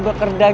ya itu salah